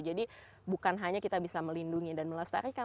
jadi semoga kita bisa melindungi dan melestarikan